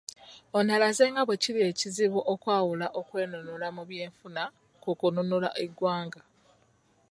Ono alaze nga bwekiri ekizibu okwawula okwenunula mu by'enfuna ku kununula eggwanga